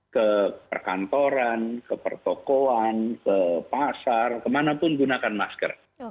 ke perkantoran ke pertokoan ke pasar kemana pun gunakan masker